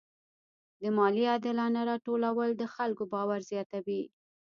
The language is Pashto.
د مالیې عادلانه راټولول د خلکو باور زیاتوي.